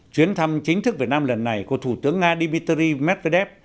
chuyến thăm chính thức việt nam lần này của thủ tướng nga dmitry medvedev